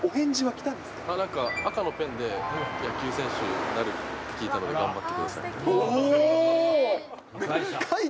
なんか、赤のペンで、野球選手になるって聞いたので、頑張ってくださいって。